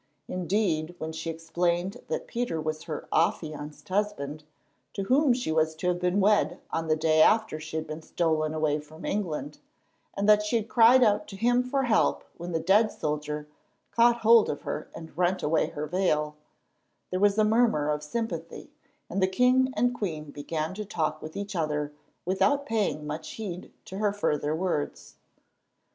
Indeed, when she explained that Peter was her affianced husband, to whom she was to have been wed on the day after she had been stolen away from England, and that she had cried out to him for help when the dead soldier caught hold of her and rent away her veil, there was a murmur of sympathy, and the king and queen began to talk with each other without paying much heed to her further words.